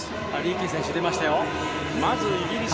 リーキー選手が出ましたよ。